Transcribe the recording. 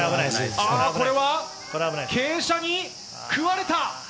これは、傾斜に食われた！